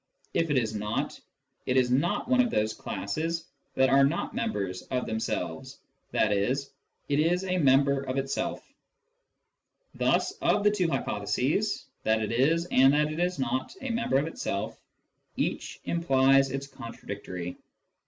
If it is not, it is not one of those classes that are not members of themselves, i.e. it is a member of itself. Thus of the two hypo theses — that it is, and that it is not, a member of itself — each implies its contradictory.